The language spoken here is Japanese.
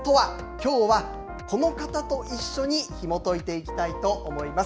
きょうはこの方と一緒にひも解いていきたいと思います。